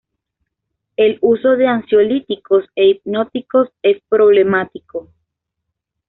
El uso de ansiolíticos e hipnóticos es problemático.